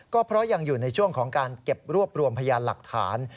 ก็เพราะยังอยู่ในช่วงของการเก็บรวบรวมพยานหลักฐาน